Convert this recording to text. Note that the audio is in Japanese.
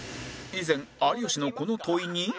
以前有吉のこの問いに